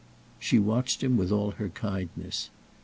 She watched him with all her kindness.